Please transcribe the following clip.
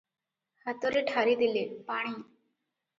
ହାତରେ ଠାରିଦେଲେ - ପାଣି ।